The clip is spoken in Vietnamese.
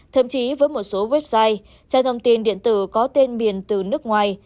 thậm chí với một số website trang thông tin điện tử có tên biển từ nước ngoài